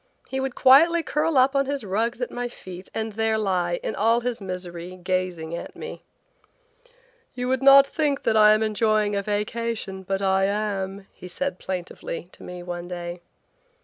He would quietly curl up on his rugs at my feet and there lie, in all his misery, gazing at me. "You would not think that I am enjoying a vacation, but I am," he said plaintively to me one day.